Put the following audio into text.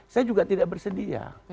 saya juga tidak bersedia